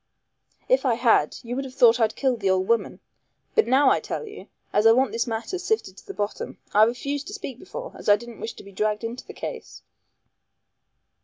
"If I had, you would have thought I'd killed the old woman. But I tell you now, as I want this matter sifted to the bottom. I refused to speak before, as I didn't wish to be dragged into the case."